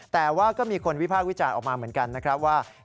แต่ว่าก็มีคนวิพากษ์วิจารณ์ออกมาเหมือนกันนะครับว่า